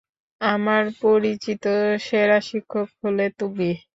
আমার পরিচিত সেরা শিক্ষক হলে তুমি।